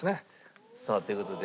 さあという事で。